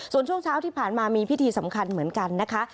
ส่วนช่วงเช้าที่ผ่านมามีพิธีสำคัญเหมือนกันนะคะ